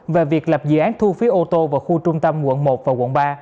về việc lập dự án thu phí ô tô vào khu trung tâm quận một và quận ba